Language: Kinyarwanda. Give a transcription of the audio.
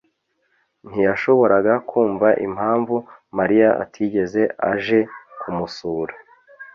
ntiyashoboraga kumva impamvu Mariya atigeze aje kumusura.